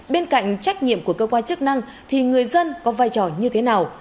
bên cạnh trách nhiệm của cơ quan chức năng thì người dân có vai trò như thế nào